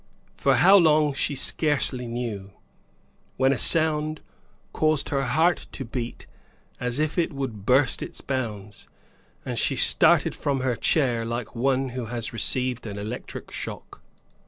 For how long, she scarcely knew, when a sound caused her heart to beat as if it would burst its bounds, and she started from her chair like one who has received an electric shock.